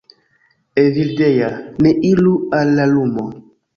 Evildea, ne iru al la lumo!